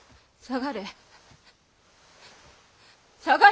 下がれ。